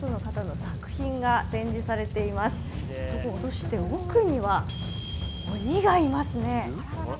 そして奥には鬼がいますね。